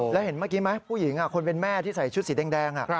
แล้วเห็นเมื่อกี้ไหมผู้หญิงคนเป็นแม่ที่ใส่ชุดสีแดง